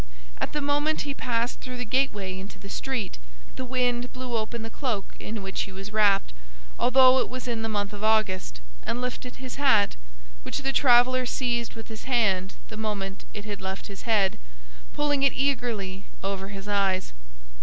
At the moment he passed through the gateway into the street, the wind blew open the cloak in which he was wrapped, although it was in the month of August, and lifted his hat, which the traveler seized with his hand the moment it had left his head, pulling it eagerly over his eyes.